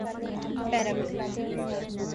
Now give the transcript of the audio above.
Paraguay